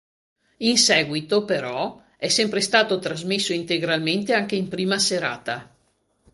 In seguito, però, è sempre stato trasmesso integralmente anche in prima serata.